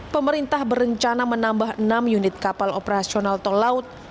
pemerintah berencana menambah enam unit kapal operasional tol laut